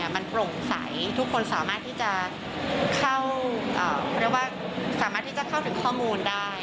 มันโปร่งใสทุกคนสามารถที่จะเข้าเรียกว่าสามารถที่จะเข้าถึงข้อมูลได้